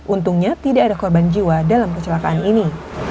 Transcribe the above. untungnya tidak ada korban jiwa dalam kecelakaan ini